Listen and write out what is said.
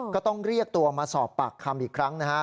ก็ต้องเรียกตัวมาสอบปากคำอีกครั้งนะฮะ